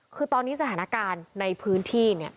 คือตอนนี้สถานการณ์ในพื้นที่เนี่ย